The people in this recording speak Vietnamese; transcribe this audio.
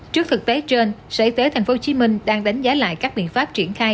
trước thực tế trên sở y tế tp hcm đang đánh giá lại các biện pháp triển khai